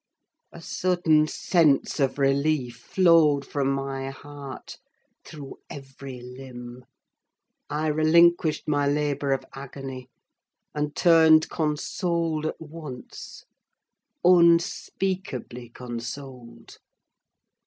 A sudden sense of relief flowed from my heart through every limb. I relinquished my labour of agony, and turned consoled at once: unspeakably consoled.